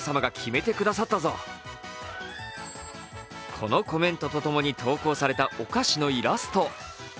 このコメントとともに投稿されたお菓子のイラスト。